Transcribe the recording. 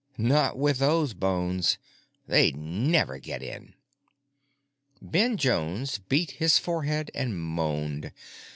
Not with those bones. They'd never get in." Ben Jones beat his forehead and moaned.